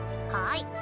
はい。